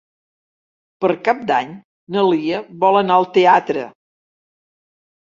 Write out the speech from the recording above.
Per Cap d'Any na Lia vol anar al teatre.